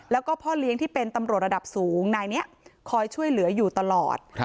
แล้วก็พ่อเลี้ยงที่เป็นตำรวจระดับสูงนายนี้คอยช่วยเหลืออยู่ตลอด